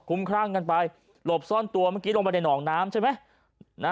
คุ้มครั่งกันไปหลบซ่อนตัวเมื่อกี้ลงไปในหนองน้ำใช่ไหม